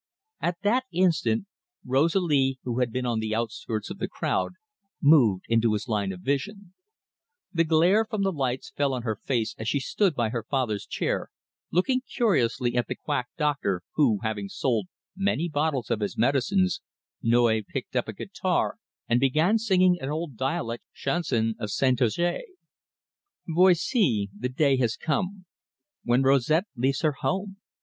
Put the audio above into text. At that instant Rosalie, who had been on the outskirts of the crowd, moved into his line of vision. The glare from the lights fell on her face as she stood by her father's chair, looking curiously at the quack doctor who, having sold many bottles of his medicines, noy picked up a guitar and began singing an old dialect chanson of Saintonge: "Voici, the day has come When Rosette leaves her home!